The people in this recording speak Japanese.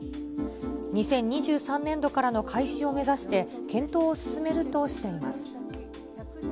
２０２３年度からの開始を目指して、検討を進めるとしています。